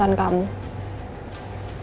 ini bukan hal yang terjadi